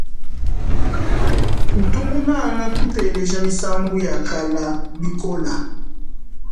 Ntu munanga kuteleja misambu ya kala bikola.